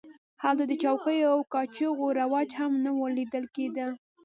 هلته د چوکیو او کاچوغو رواج هم نه و لیدل کېده.